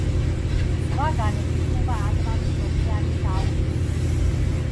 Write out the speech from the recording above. ზღვა განეკუთვნება ატლანტის ოკეანის აუზს.